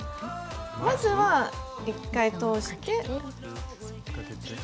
まずは１回通して。